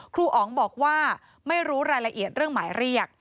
ครูอ๋องบอกว่าไม่รู้รายละเอียดเรื่องหมายเรียก